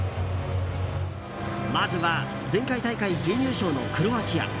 まずは前回大会準優勝のクロアチア。